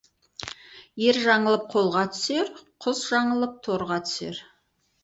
Ер жаңылып қолға түсер, құс жаңылып торға түсер.